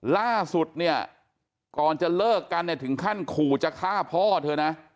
ล่าสุดเนี่ยก่อนจะเลิกกันเนี่ยถึงขั้นขู่จะฆ่าพ่อเธอนะ